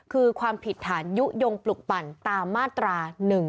คือความผิดฐานยุโยงปลุกปั่นตามมาตรา๑๑